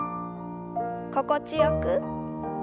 心地よく。